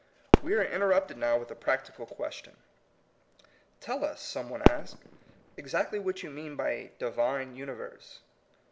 We are interrupted now with a practical question. "Tell us," some one asks, "ex actly what you mean by a Divine uni verse."